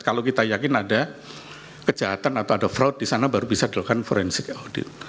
kalau kita yakin ada kejahatan atau ada fraud di sana baru bisa dilakukan forensik audit